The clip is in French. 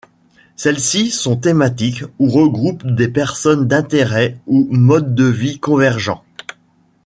Celles-ci sont thématiques ou regroupent des personnes d’intérêts ou modes de vie convergents.